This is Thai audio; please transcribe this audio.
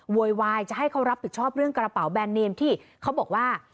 โวยวายจะให้เขารับผิดชอบเรื่องกระเป๋าแบรนเนมที่เขาบอกว่า